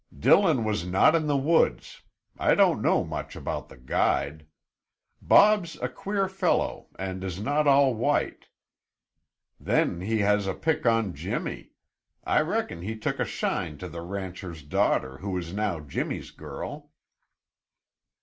"Dillon was not in the woods. I don't know much about the guide. Bob's a queer fellow and is not all white. Then he has a pick on Jimmy. I reckon he took a shine to the rancher's daughter who is now Jimmy's girl."